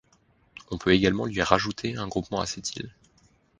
On peut également lui rajouter un groupement acétyl.